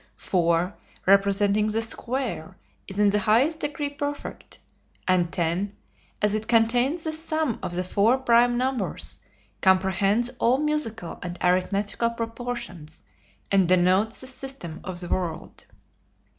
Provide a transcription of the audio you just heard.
Four, representing the square, is in the highest degree perfect; and Ten, as it contains the sum of the four prime numbers, comprehends all musical and arithmetical proportions, and denotes the system of the world.